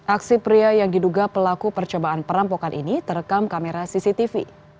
aksi pria yang diduga pelaku percobaan perampokan ini terekam kamera cctv